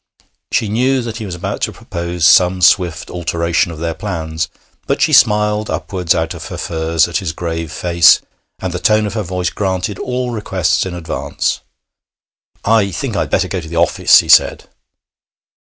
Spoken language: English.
She knew that he was about to propose some swift alteration of their plans, but she smiled upwards out of her furs at his grave face, and the tone of her voice granted all requests in advance. 'I think I'd better go to the office,' he said.